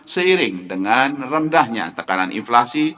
seiring dengan rendahnya tekanan inflasi